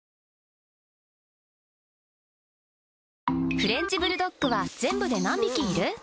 フレンチブルドッグは全部で何匹いる？